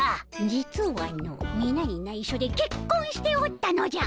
実はのみなにないしょでけっこんしておったのじゃ。